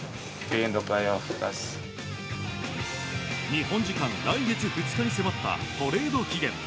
日本時間来月２日に迫ったトレード期限。